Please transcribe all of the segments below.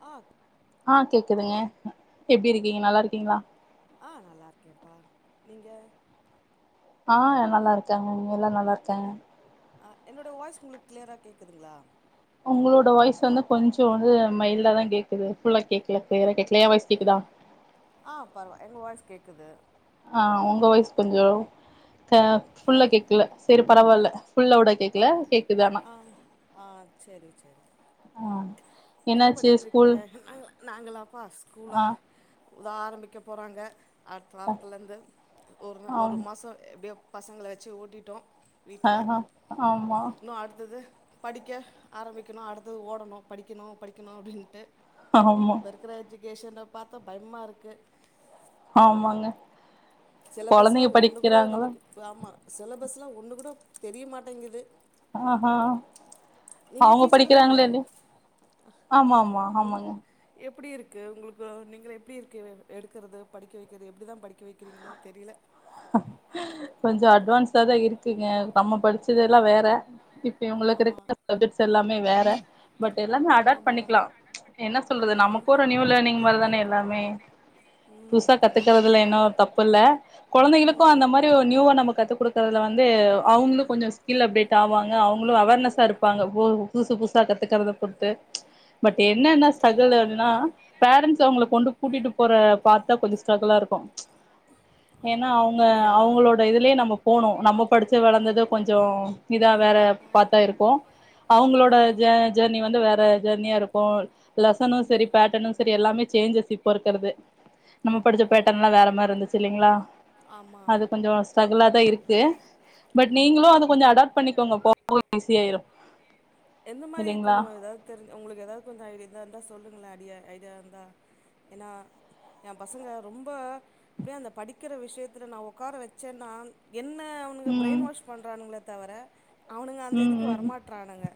ஆ ஆ கேக்குதுங்க எப்டி இருக்கீங்க நல்லா இருக்கீங்ளா ஆ நல்லா இருக்கேம்ப்பா நீங்க ஆ நல்லா இருக்காங்க இங்க எல்லா நல்லா இருக்காங்க ஆ என்னுடைய வாய்ஸ் உங்களுக்கு கிளியரா கேக்குதுங்ளா உங்களோட வாய்ஸ் வந்து கொஞ்சோ வந்து மைல்டா தா கேக்குது ஃபுல்லா கேக்கல கிளியரா கேக்கல எ வாய்ஸ் கேக்குதா ஆ பரவா எங்க வாய்ஸ் கேக்குது ஆ உங்க வாய்ஸ் கொஞ்சோ ஆ ஃபுல்லா கேக்கல செரி பரவாயில்ல ஃபுல்லா உட பா ஆ ஆ செரி செரி ஆ என்னாச்சு ஸ்கூல் நாங்களா நாங்களாப்பா ஸ்கூலா ஆ வா ஆரம்பிக்க போறாங்க அடுத்த வாரத்துலந்து ஒரு ஒரு ஆம் மாசோ எப்டியோ பசங்கள வெச்சு ஓட்டிட்டோ ஆ வீட்ல ஆ ஆமா இன்னு அடுத்தது படிக்க ஆரம்பிக்கணு அடுத்தது ஓடணு படிக்கிணு படிக்கணு அப்டின்ட்டு ஆமா இப்ப இருக் கேற எஜுகேஷன பாத்தா பயமாக இருக்கு ஆமாங்க சிலபஸ்லா கொழந்தைங்க ஒண்ணு கூட படிக்கிறாங்களா நம்மளுக்கு ஆமா சிலபஸ் எல்லாம் ஒண்ணு கூட தெரியமாட்டேங்குது ஆ அ அவங்க டீச்சர் தான படிக்கிறாங்களேன்ன ஆமா ஆமா நீங் ஆமாங்க எப்டி இருக்கு உங்களுக்கு நீங்கள் எப்டி இருக்கு எடுக்கிறது படிக்க வெக்கிறது எப்படிதா படிக்க வெக் கிறிங்ளோ தெரியல கொஞ்சோ அட்வான்ஸா தா இருக்கீங்க நம்ம படிச்சதெல்லா வேற இப்ப உங்களுக்கு ஆமா இருக்கிற சப்ஜெக்ட்ஸ் எல்லாமே வேற பட் எல்லாமே அடாப்ட் ஆமா பண்ணிக்கலா என்ன சொல்றது ஆ நமக்கு ஒரு நியூ லேர்னிங் வரதுனே எல்லாமே ம் புதுசா புரியுது கத்துக்கறதுல என்னவோ தப்பு இல்ல கொழந்தைங்களுக்கு அந்த மாரி ஒரு நியூவா நம்ம கத்து குடுக்குறதுல வந்து அவங்ளுக் கொஞ்சோ ஸ்கில் அப்டேட் ஆவாங்க அவங்களு அவேர்னஸ்ஸ இருப்பாங்க ஓ புதுசு புதுசா கத்துக்கறத பொற்த்து பட் என்னா என்னா ஸ்டீரகல் அப்படினா ஓகே பேறன்ஸ் அவங்களகொண்டு கூட்டிட்டு போற பாத்தா கொஞ்சோ ஸ்ட்ரகல்லா இருக்கு ஹ ஏன்னா அவுங்க அவுங்ளோட இதுலியே நம்ம போனு நம்ம படிச்சு வளந்தது கொஞ்சோ இதா வேற ஆ பாத்தா இருக்கு அவுங்களோட ஆ ஜெர்னி வந்து வேற ஜெர்னியா இருக்கு லெசனு சரி பேட்டனு சரி எல்லாமே சேஞ்சஸ் இப்போ இருக்றது நம்ம படிச்ச ஓகே பேட்டன்ல்லா வேற மாரி இருந்துச்சு இல்லைங்ளா ஆமா அது கொஞ்சோ ஸ்டரகுா தா இருக்கு பட் நீங்ளு அத கொஞ்சோ அடாப்ட் பண்ணிக்கோங்க போக போக ஈஸியாயிரு எந்த மாதிரி இல்லைங்களா கொஞ்சோ ஏதாது தெரிஞ்ச உங்ளுக்கு ஏதாவ் கொஞ்சோ ஐடியா இருந்தா இருந்தா சொல்லுங்ளே ஐடியா ஐடியா இருந்தா என்னா எ பசங்க ரொம்ப அப்டியே அந்த படிக்கிற விஷயத்ல நா உக்கார வச்சேன்னா என்ன அவனுங்க ம் ப்ரெயின் வாஷ் பண்றானுங்ளே தவிர அவனுங்க அந்த ம் இதுக்கு ம் வரமாட்டறானுங்க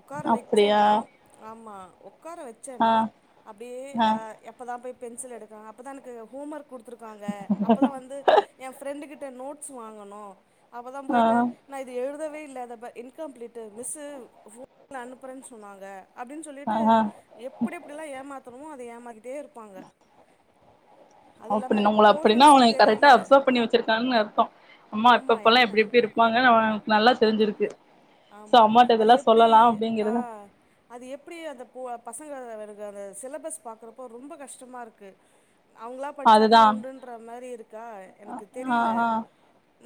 உக்கார அப்படியா வச்சேன்னா ஆமா உக்கார ஆ சன்னா அப்டியே ஆ எப்போதா போய் பென்சில் எடுக்றாங்க அப்போதா எனக்கு ஹோம் ஒர்க் குடுத்துருக்காங்க அப்பதா வந்து என் ஃப்ரெண்டு கிட்ட நோட்ஸ் வாங்கணும அப்பதா பொய்ட்டு நா இது எழுதவே இல்ல அத ப இன்கம்ப்ளீட்டு மிஸ்சு ஃபோன்ல அனுப்புறேன் சொன்னாங்க அப்டின்னு ஆ சொல்லிட்டு ஆ எப்டி எப்டிலா ஏமாத்தணுமோ அத ஏமாக்கிட்டே இருப்பாங்க அது இல்லாம அப்டினு எனக்கு உங்க அப்டினா போர்ஷன்ஸு அவுங்க கரெக்டா தெரில அப்சர்வ் பண்ணி வச்சிருக்காங்கன்னு அர்த்தோ அம்மா ஆமா எப்பல்லாம் என்ன எப்டி எப்டி இருப்பாங்க ஏனா அவ நல்லா தெரிஞ்சிருக்கு சோ ஆமா அம்மாட்ட அது இதெல்லா எப்டி சொல்லலா ஆ அப்படிங்கறத அது எப்டி அந்த பு பசங்க ளுக்கு அந்த சிலபஸ் பாக்றப்போ ரொம்ப கஷ்டமா இருக்கு அவுங்ளா படிச்சாதா அதுதா உண்டுன்ற மாரி இருக்கா எனக்கு ஆ தெரில ஆ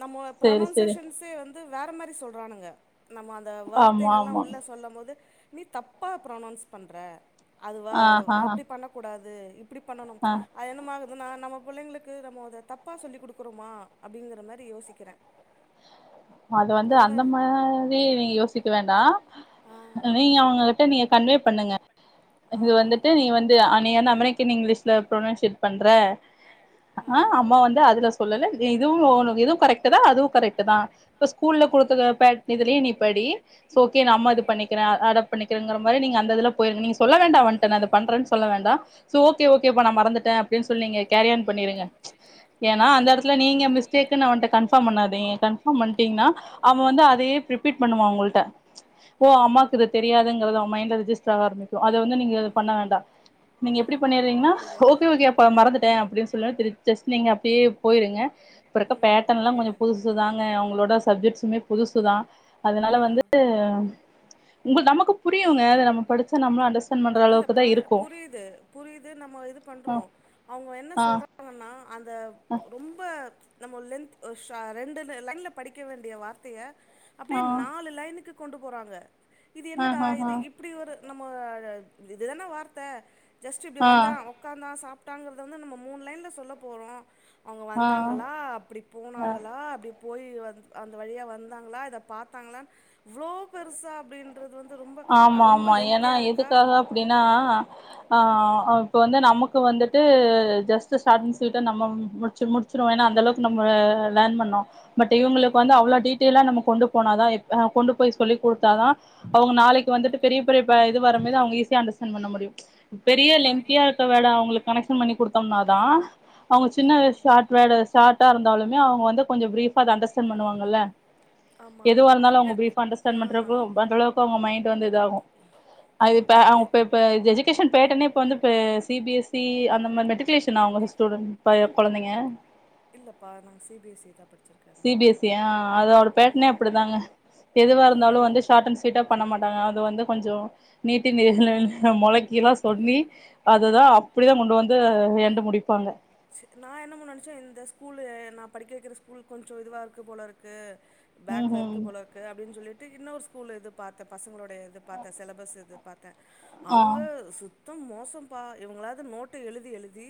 நம்ம சேரி சேரி ப்ரனோன்சேஷஷன்ஸே வந்து ந்து வேற மாரி சொல்றானுங்க நம்ம அந்த ஆமா வார்த்தைகள்ல்லா ஆமா உள்ள சொல்லம்போது நீ தப்பா ப்ரனன்ஸ் பண்ற அதுவா ஆ அத ஆ அப்டி பண்ணக்கூடாது இப்டி பண்ணனு ஆ அது என்னமாருக்குதுனா நம்ம புள்ளைங்ளுக்கு நம்ம அத தப்பாக சொல்லி குடுக்குறோமா அப்டிங்குற மாரி யோசிக்கிறே அது வந்து அதுதா அந்த மாரி நீ யோசிக்க வேண்டா ஆ நீ அவுங்ககிட்ட நீங்க கன்வே பண்ணுங்க ஆ இது வந்துட்டு நீ வந்து து நீ வந்து அமெரிக்கன் இங்லீஷ்ல ப்ரனோன்சியேட் பண்ற ஆ ஆ அம்மா வந்து அதுல சொல்லல இதுவு உனக்கு இதுவு கரெக்டுதா அதுவு கரெக்ட்டுதா இப்ப ஸ்கூல்ல குடுத்துருக்கே பேட் இதுலியே நீப்படி ஓகே நா ம் அம்மா இது பண்ணிக்கிறே அத பண்ணிக்குறேங்ற மாரி நீங்க அந்த இதுல பொயிருங்க நீங்த சொல்ல வேண்டா அவன்ட்ட நா இத பண்றே சொல்ல வேண்டா ச ஓகே ஓகேப்பா நா மறந்துட்டே ஓகேன்னு சொல்லி நீங்க கேரி ஆன் பண்ணிருங்க ஆ ஏனா அந்த எடத்துல நீங்க மிஸ் டேக்குனு அவன்ட்ட கன்ஃபார்ம் பண்ணாதீ கன்பார்ம் பண்டீங்ன்னா அவ வந்து இதே ரிபீட் பண்ணுவா உங்கள்ட ஓ ம் அம்மாக்குது தெரியாதுங்றத அவ மைண்டல ரிஜிஸ்ட்ர் ஆக ஆரம்பிக் சோ அத வந்து நீங்க பண்ண ம் வேண்டா நீங்க எப்டி ம் பண்ணறீங்கன்னா புரியுது ஓகே ஓகே அப்ப மறந்துட்டே அப்டின்னு சொல்லி ஜஸ்ட் நீங்க அப்டியே பொயிருங்க இப்ப இருக்க ம் பேட்டன்லா கொஞ்சோ புரியுது புதுசு புதுசு தாங்க அவுங்களோட சப்ஜெக்ட்ஸுமே புதுசுதா அதனால ஆ வந்து உங்க நமக்கு புரியுங்க அத நம்ம படிச்ச நம்மளு அண்டர்ஸ்டாண்ட் பண்ற அளவுக்குதா இல்லப்பா இருக்கு புரியுது ஆ அவுங்க என்ன ஆ சொல்றாங்கன்னா அந்த ரொம்ப நம்ம லென்த் சா ரெண்டு லைன்ல படிக்க வேண்டிய வார்த்தைய ஆ அப்டியே நாலு லைனுக்கு கொண்டு போறாங்க இது ஆ என்னடா ஆ இது ஆ இப்டி ஒரு நம்ம இதுதான வார்த்த ஜஸ்ட் இப்டி ஆ வந்தா உக்காந்தா சாப்ட்டாங்றத வந்து நம்ம மூணு லைன்ல சொல்ல போறோ அவுங்க ஆ வந்தாங்களா அப்டி ஆ போனாங்களா அப்டி போய் வந் அந்த வழியா வந்தாங்ளா இத பாத்தாங்ளான் இவ்ளோ பெருசா அப்டின்றது வந்து ரொம்ப க- ஆமா ரொம்ப ஆமா ஏனா லென்த்தியா இருக்கா எதுக்காக அப்டினா ஆ இப்ப வந்து நமக்கு வந்துட்டு ஜஸ்ட்டு சாட் அன் ஸ்வீட்டா நம்மம் முட்ச்சு முட்ச்சிருவோ ஏனா அந் தளவுக்கு நம்ம லேர்ன் பண்ணோ பட் இவுங்குளுக்கு வந்து அவ்ளோ டீட் டெய்லா நம்ம கொண்டு போனாதா கொண்டு போய் சொல்லிக் குடுத்தாதா அவுங்க நாளைக் இப்ப வந்துட்டு பெரிய பே இது வரமோதே அவுங்க ஈஸியா அண்டர்ஸ்டாண்ட் பண்ண முடியு பெரிய ம் லென்த்தியா இர்க்க வேர்ட அவுங்குளுக் கனெக்ஷன் பண்ணி குடுத்தோம்னாதா அவுங்க சின்ன ம் வய்ஸ் ஷார்ட் வேர்ட ஷாட்டா இருந்தாலுமே அவுங்க வந்து கொஞ்சோ ப்ரீஃபா அத அண்டர்ஸ்டாண்ட் பண்ணுவாங்கல்ல ஆமா ஆமா எதுவா இருந்தாலு அ அவங்க ப்ரீஃபா அண்டர்ஸ்டாண்ட் ஆமா பண்றப்போ பண்றளவுக் மைண்ட்டு வந்து இதாகு அது இப்ப அவுங்க இப்ப இப்ப இது எஜுகேஷன் பேட்டனே இப்ப வந்துப்ப சி பி எஸ் இ அந்த மாரி மெர்ட்டிக்குலேஷனா அவுங்க ஸ்டூடெண்ட் ப கொழந்தைங்க இல்லப்பா நாங்க சி பி எஸ் இ தா படிச்சிருக் சி பி எஸ் இ ஆ அதோட பேட்னே அப்டிதாங்க எதுவா இருந்தாலு ம் வந்து ஷாட் அண்ட் ஸ்வீ நீட்டா பண்ண மாட்டாங்க அது வந்து கொஞ்சோ நீட்டி நி நி ம் மொளைக்கிலா சொல்லி அதுதா அப்புடிதா கொண்டு வந்து என்ட முடிப்பாங்க நா என்னமோ நெனச்சே இந்த ஸ்கூலு நா படிக்க வெக்கிற ஸ்கூல் கொஞ்சோ இதுவா இருக்கு போலருக்கு ம் பேக்ல ம் இருக்கு போல இருக்கு அப்டின் சொல்லிட்டு இன்னொரு ஸ்கூல் இது பாத்த பசங்களோ ட இது பாத்தே செலபஸ் இது பாத்தே ஆ அவுங்க சுத் சுத்தோ மோசோ பா இவுங்களாவ்து நோட்டு எழுதி எழுதி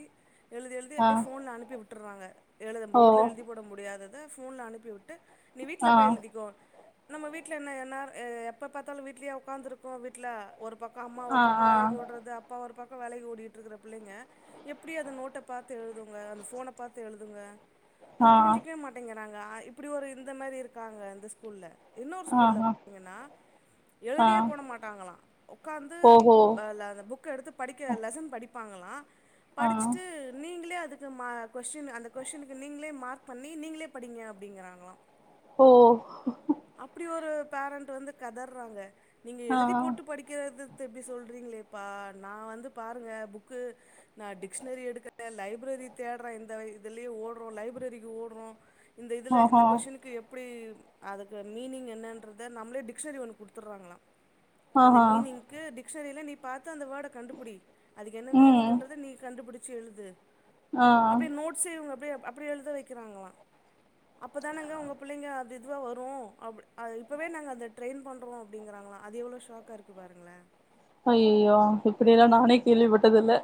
எழுதி எழுதி ஆ அப்டே ஃபோன்ல அனுப்பி விட் ட்டுர்றாங்க எழுத ஓ போர்ட்ல எழுதி போட முடியாதத ஃபோன்ல அனுப்பி விட்டு நீ வீட்ல ஆ போய் எழுதிக்கோ நம்ம வீட்ல என்ன என்நார் எப்ப பாத்தாலு வீட்லயா உக்காந்துருக்கோ வீட்ல ஒரு பக்கோ அம்மா ஆ ஒரு பக்கோ ஆ வேலைக்கி ஓட்றது அப்பா ஒரு பக்கோ வேலைக்கு ஓடிட்டுருக்குற புள்ளைங்க எப்புடி அத நோட் ட்ட பாத்து எழுதுங்க அந்த ஃபோன பாத்து எழுதுங்க அது ஆ புரிஞ்சிக்கவே மாட் டேங்குறாங்க ஆ இப்புடி ஒரு இந்த மாரி இருக்காங்க இந்த ஸ்கூல்ல இன்னொரு ஆ ஸ்கூல்லப் ஆ பாத்திங்கன்னா ஆ எழுதியே போட மாட்டாங்களா உக்காந்து ஓஹோ பே ல அந்த புக் புக் எடுத்து படிக்க லெசன் படிப்பாங்களா ஆ படிச் நீங்களே அதுக்கு மா கொஸ்டீன் அந்த கொஸ்டீன்க்கு நீங்ளே மார்க் பண்ணி நீங்ளே படிங்க அப்டிங்குறாங்ளா ஓ அப்டி ஒரு பேரண்ட் வந்து கதர்றாங்க நீங்க ஆ எழுதி போட்டு படிக்கிறது து இப்டி சொல்றிங்ளேப்பா நா வந்து பாருங்க புக்கு நா டிக் ஷ்னரி எடுக்குற லைப்ரரி தேட்ற இந்த இதுலியே ஓட்றோ லைப்ரரிக்கு ஓடுறோ இந்த இதுல இந்த ஆஹா கொஸ்டீனுக்கு எப் புடி அதுக்கு மீனிங் என்னென்றத நம்ளே ட்க்க்ஷ்னரி ஒன்னு குட்த்துர்றாங்களா அந்த ஆஹா மீனிங்க்கு டிஸ்னரில நீ பாத்து அந்த வேர்ட கண்டுபுடி அதுக்கு என்ன ம் மீனிங்ன்றத நீ புடுச்சி எழுது ஆ அப்டி நோட்ஸ் இவுங்க அப்பயே அப்புடி எழுத வைக்குறாங்களா அப்ப தானங்க உங்க புள்ளைங்க அது இதுவா வரும் அப்டி அத இப்பவே நாங்க அந்த ட்ரெய்ன் பண்றோ அப்டிங்குறாங்களா அது எவ்ளோ ஷாக்காருக்கு பாருங்ளே ஐயயோ இப்படியெல்லா நானே கேள்விப்பட்டது இல்ல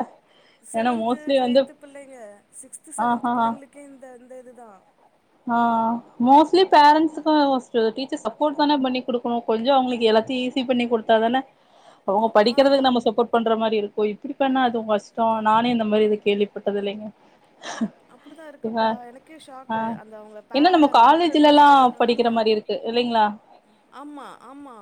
செவன்த்து எய்ட்த்து பிள்ளைங்க சிக்ஸ்த்து ஆஹா செவன்த்து பிள்ளைங்களுக்கே இந்த இந்த இது தா ஆ மோஸ்ட்லி பேரண்ட்ஸ்க்கோ ஃபஸ்ட்டு டீச்சர் சப்போர்ட் தான பண்ணி குடுக்கணு கொஞ்ச அவுங்ளுக்கு எல்லாத்தியு ஈஸி பண்ணி குடுத்தா தான அவுங்க ஆ படிக்கிறதுக்கு நம்ம சப்போர்ட் பண்ற மாரி இருக்கு இப்புடி பண்ணா அது கஷ்டோ நானே இந்த மாரி எத கேள்வி தொட்டது இல்லிங்க அப்படி தா இருக்குப்பா எனக்கே ஷாக்கு அந்த அவுங்கள என்ன நம்ம காலேஜ்லல்லா படிக்கிற மாரி இருக்கு இல்லிங்ளா ஆமா ஆமா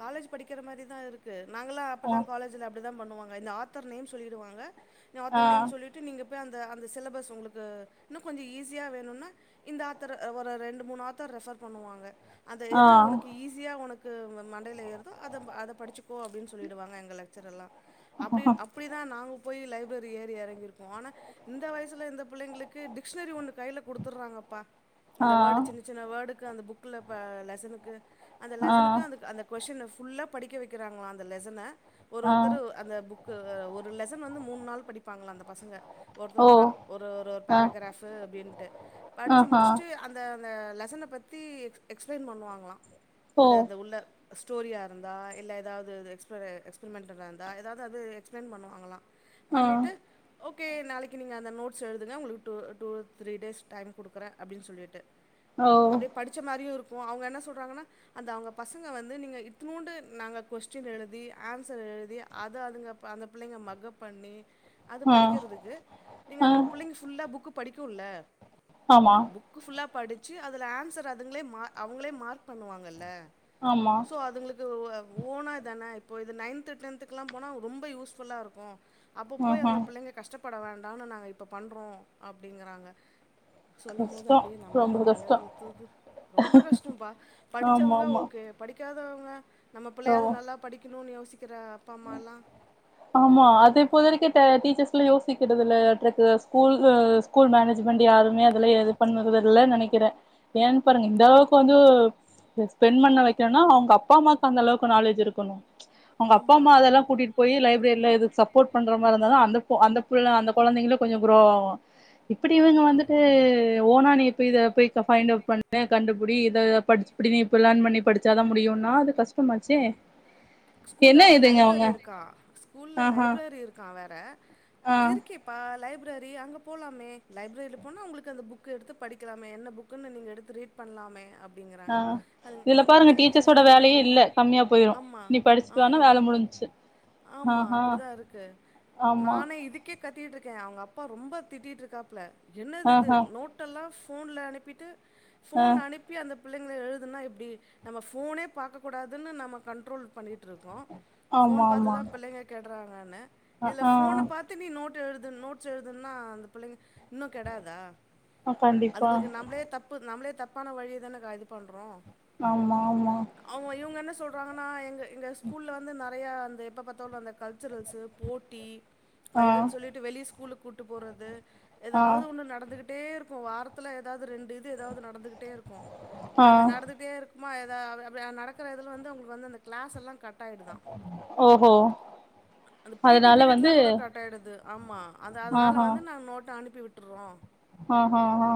காலேஜ் படிக்கிற மாரிதா இருக்கு நாங்களா ஆ அப்படிதா காலேஜ்ல அப்படிதா பண்ணுவாங்க இந்த ஆத்தர் நேம் சொல்லிடுவாங்க இந்த ஆ ஆத்தர் நேம் சொல்லி ட்டு நீங்க பேய் அந்த அந்த சிலபஸ் உங்களுக்கு இன்னூ கொஞ்சொ ஈஸியா வேணும்னா இந்த ஆத்தர் ஒரு ரெண்டு மூணு ஆத்தர் ரெஃபர் பண்ணுவாங்க அது ஆ எது உனக்கு ஈஸியா உனக் க்கு மண்டையில ஏறுதே அத ‌அத படிச்சிக்கோ அப்படின்னு சொல்லிடுவாங்க எங்க லெக்சர்ல்லா அப்டி அப் இப்படி தா நாங்க போய் லைப்ரரி ஏறி எறங்கியிருக்கோ ஆனா இந்த வயசுல இந்த பிள்ளைங்களுக்கு டிக்ஷனரி ஒன்னு கையில குடுத்துறாங்கப்பா ஆ அந்த வேர்டு சின்ன சின்ன வேர்டுக்கு அந்த புக்ல பெ லெசனுக்கு அந்த ஆ லெசனுக்கு அந்த அந்த கொஸ்டீன்ன ஃபுல்லா படிக்க வைக்கிறாங்களா அந்த லெசனெ ஒரு ஆ ஒருத்தரு அந்த புக் க்கு ஒரு லெசன வந்து மூணு நாள் படிப்பாங்கள அந்த பசங்க ஒருத்த ஓ ஒருத்தர் ஒரு ஒரு ஆ பேரகிராப் அப்படின்ட்டு படிச்சி ஆஹா முடிச்சிட்டு அந் அந்த அந்த லெசன பத்தி எக்ஸ்பிளைன் பண்ணுவாங்களா ஓ அந்த அந்த உள்ள ஸ்டோரியா இருந்தா இல்ல ஏதாவது எக்ஸ்ப எக்ஸ்பெரிமெண்டா இருந்தா ஏதாவது அது எக்ஸ்பளைன் பண்ணுவாங்களலா ஆ பண்ணிட்டு ஓகே நாளைக்கி நீங்க அந்த நோட்ஸ் எழுதுங்க உங்களுக்கு two two three days time கொடுக்குறே அப்டின் சொல்லிட்டு ஓ அப்டியே படிச்ச மாரியூ இருக்கூ அவுங்க என்ன சொல்றாங்கன்னா அந்த அவுங்க பசங்க வந்து நீங்கள் இத்துண்டு நாங்க கொஸ்டின் எழுதி ஆன்சர் எழுதி அத அதுங்க அந்த பிள்ளைங்க மக்கப் பண்ணி அத ஆ படிக்கறதுக்கு நீங்க ஆ அதுங்க பிள்ளிங்க ஃபுல்லா புக்கு படிக்க வுட்ல்ல ஆமா புக்கு ஃபுல்லா படிச்சு அதுல ஆன்சர் அதுங்ளே மா அவுங்ளே மார்க் பண்ணுவாங்கல்ல ஆமா சோ அதுங்ளுக் இது வ ஓனா தான இப்போ இது நைன்த் டென்த்குலா போனா ரொம்ப யூஸ் ஃபுல்லா இருக்கூ அப்ப போய் ஆஹா அந்த புள்ளைங்க கஷ்டப்பட வேண்டான்னு நாங்க இப்ப பண்றோ அப்டிங்கறாங்க சொல்லும் போது கஷ்டோ அப்டியே நம்ளுக்கு ரொம்ப தல கஷ்டோ சுத்துது ரொம்ப கஷ்டொம்பா ஆமா படிச்சவங்க ஆமா ஓகே எ படிக்காதவங்க நம்ம ஆமா புள்ளையாது நல்லா படிக்குணுன்னு யோசிக்கற அப்பா அம்மாலா ஆமா அது இப்போது வரைக்கூ ட டீச்சர்ஸ்லா யோசிக்கறது இல்ல த்ரட் ஸ்கூல் ஸ்கூல் மேனஜ்மெண்ட் யாருமே அதுல எல்ப் பண்ணறது இல்ல நெனைக்கிறே ஏன்க் பாருங்க இதெளவுக்கு வந்து ஸ்பெண்ட் பண்ண வெகைகோன்னா அவங்க அப்பா அம்மாக்கு அந்தளவுக்கு நாலேஜ் இருக்கணூ அவங்க அப்பா ஆமா அம்மா அதெல்லா கூட்டிட் போயி லைப் அப்டிலா எது சப்போட் பண்ற மாரிருந்தா தா அந்த போ அந்த புள்ள அந்த கொழந்தைங்களூ கொஞ்சொ க்ரோ ஆவூ இப்டி இவங்க ஆமா வந்துட்டு இத ஓனா நீ இப்ப இத போய் ஃபைண்ட் அவ்ட் பண்ணு கண்டுபுடி இந்த பட்ச் இப்டி நீ லேர்ன் பண்ணி படிச் சா தா முடியுன்னா அது கஷ்டமாச்சே ஸ்கூல்ல என்ன வேற இதுங்க லைப்ரரி அவங்க இருக்கா ஸ்கூல்ல ஆஹா லைப்ரரி இருக்கா வேற ஆ இருக்கேப்பா லைப்ரரி அங்க போலாமே லைப்ரரில போனா உங்ளுக்கு அந்த புக் எடுத்து படிக்கலாமே என்ன புக்குன்னூ நீங்க எடுத்து ரீட் பண்லாமே ஆ அப்டிங்கறாங்க அது இதுல இந்த பாருங்க புள்ளைங்களுக்கு டீச்சர்ஸோட அ வேலையே இல்ல கம்மியா போயிரு ஆம்மா நீ படிச்சுட்டு வானா ஆம்மா வேல முடிஞ்ச்சு ஆம்மா ஆஹா அப்புடிதா இருக்கு ஆமா நானே இதுக்கே கத்திகிட்ருக்க அவுங்க அப்பா ரொம்ப திட்டிட்ருக்காப்ல என்னது இது ஆஹா நோட் ட்டுந்தா ஃபோன்ல அனுப்பிட்டு ஆ ஃபோன்ல அனுப் பி அந்த பிள்ளைங்கள எழுதுனா எப்டி நம்ம ஃபோனே பாக்ககூடாதுன்னு நம்ம கண்ட்ரோல் பண்ணிட் ட்ருக்கோ ஃபோன் ஆமா ஆமா பாத்துதா பிள்ளைங்க கெட்றாங்கன்னு இதுல ஆ ஃபோன பாத் து நி நோட் எழுது நோட்ஸ் எழுதுன்னா அந்த புள்ளைங்க இன்னு கெடாதா ஆ கண்டிப்பா அதுங்ளுக்கு நம்ளே தப்பு நம்ளே தப்பான வழிய தான கய்ட் இது பண்றோ ஆமா ஆமா அவங்க இவங்க என்ன சொல்றாங்கனா எங்க எங்க ஸ்கூல்ல வந்து ந நெறையா அந்த எப்ப பாத்தாலு அந்த கல்ச்சுரல்ஸு போட்டி ப ஆ இதுன் சொல்லி ட்டு வெளிய ஸ்கூலு கூட்டு போறது ஆ ஏதாது ஒண்ணு நடந்துகிட்டே இருக்கு வாரத்துல ஏதாது ரெண் இது ஏதாது நடந்துகிட்டே இருக்கு ஆ அந்த நடந்துட்டே இருக் மா ஏதாது நடக்குற அதுல வந்து அவுங்ளுக்கு வந்து அந்த க்ளாஸ் எல்லா கட் ட ஆய்டுதா ஓஹோ அந்த பீ டி அதனால பீரியட்லா வந்து கூட கட் கட் ஆய்டுது ஆமா அந்த அதனால ஆஹா வந்து நாங்க நோட்ட அனுப்பி விட்டுற்றோ ஆஹா ஹ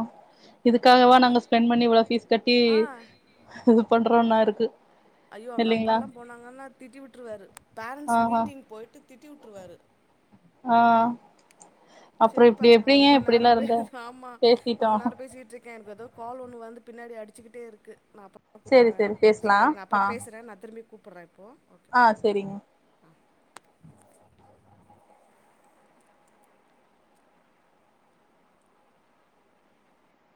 இதுக்காகவா நாங்க ஸ்பெண் பண்ணி இவ்ளோ ஃபீஸ் கெட்டி ஆ இது பண்றோன்னாயிருக்கு ஐயோ அவங்க அப்பால்லா போனாங்கன்னா திட்டி வுட்ருவாரு பேரண்ஸ் ஆஹா மீட்டிங் போய்ட்டு திட்டி வுட்ருவாரு ஆ அப்புறோ செரிப்பா இப்டி நா எப்டிங்க ரொம்ப நேரோ இப்டிலா பே இருந்தா ஆமா ரொம்ப பேசிட்டோ நேரோ பேசிட்ருக்கே எனக் எதோ கால் ஒண்ணு வந்து பின்னாடி அடிச்சுகிட்டே இருக்கு நாப அப்ப சேரி கூப்புட்றே சேரி பேசலா சாரி நா அப்பறோ ஆ பேசுறே நா திரும்பி கூப்புட்றே இப்போ ஆ செரிங்க